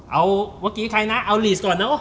เอาเมื่อกี้ใครนะเอาลีสก่อนเนอะ